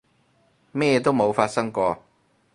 咩都冇發生過